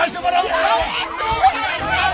やめて！